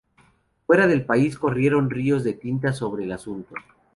Fuera del país corrieron ríos de tinta sobre el asunto.